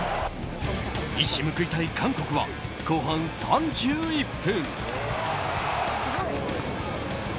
一矢報いたい韓国は後半３１分。